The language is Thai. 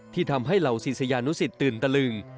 ที่ทำให้เหล่าศิษยานุสิตตื่นตะลึง